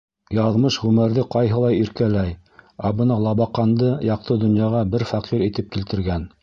Яҙмыш Ғүмәрҙе ҡайһылай иркәләй, ә бына Лабаҡанды яҡты донъяға бер фәҡир итеп килтергән.